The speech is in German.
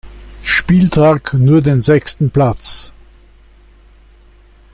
Spieltag nur den sechsten Platz.